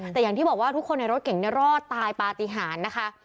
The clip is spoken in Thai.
แต่อย่างที่บอกว่าทุกคนในรถเก่งรอดตายปฏิหารนะคะ